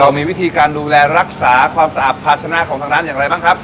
มีวิธีการดูแลรักษาความสะอาดภาชนะของทางร้านอย่างไรบ้างครับ